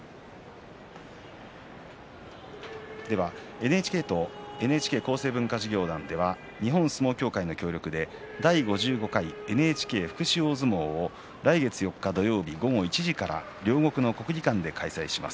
ＮＨＫとＮＨＫ厚生文化事業団では日本相撲協会の協力で第５５回ＮＨＫ福祉大相撲を来月４日土曜日午後１時から両国の国技館で開催します。